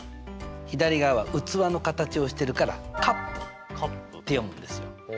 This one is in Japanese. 左側は器の形をしてるから「カップ」って読むんですよ。